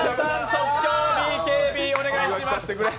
即興ＢＫＢお願いします。